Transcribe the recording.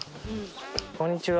こんにちは。